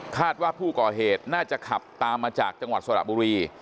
ว่าผู้ก่อเหตุน่าจะขับตามมาจากจังหวัดสระบุรี